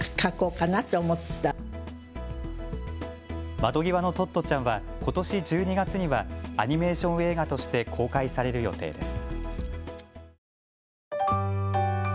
窓ぎわのトットちゃんはことし１２月にはアニメーション映画として公開される予定です。